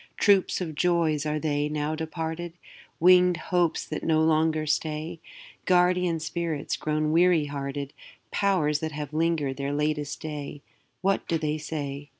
Troops of joys are they, now departed? Winged hopes that no longer stay? Guardian spirits grown weary hearted? Powers that have linger'd their latest day? What do they say?